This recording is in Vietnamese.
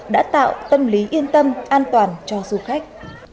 đã tạo tâm lý yên tâm an toàn cho du khách